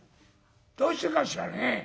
「どうしてかしらね？」。